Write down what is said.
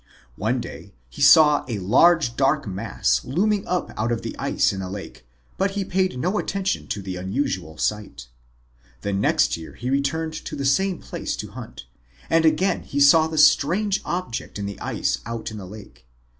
One day he saw a huge, dark mass looming up out of the ice in the lake, but he paid no attention to the unusual sight. The next year he returned to the same place to hunt, and again saw the strange object in the ice out in the lake.